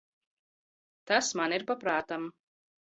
Tas man ir pa prātam.